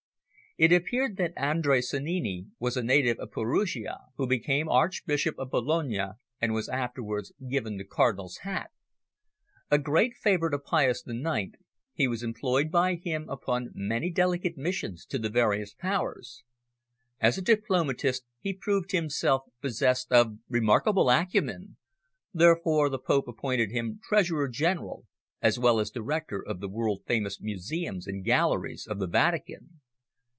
It appeared that Andrea Sannini was a native of Perugia, who became Archbishop of Bologna, and was afterwards given the Cardinal's hat. A great favourite of Pius IX, he was employed by him upon many delicate missions to the various Powers. As a diplomatist he proved himself possessed of remarkable acumen, therefore the Pope appointed him treasurer general, as well as director of the world famous museums and galleries of the Vatican.